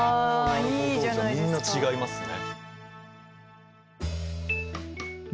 なるほどじゃあみんな違いますね。